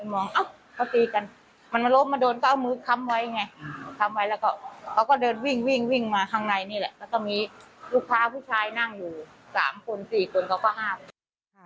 แล้วก็มีลูกค้าพุ่วชายนั่งอยู่๓คน๔คนเขาก็ห้าม